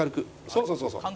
そうそうそうそう。